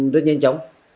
rất nhanh chóng